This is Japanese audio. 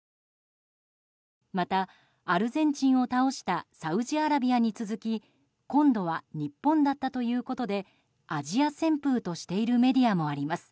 また、アルゼンチンを倒したサウジアラビアに続き今度は日本だったということでアジア旋風としているメディアもあります。